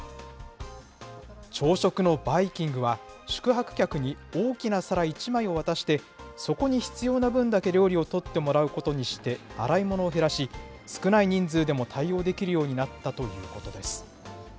朝食のバイキングは、宿泊客に大きな皿１枚を渡して、そこに必要な分だけ料理を取ってもらうことにして、洗い物を減らし、少ない人数でも対応できるようになったということです。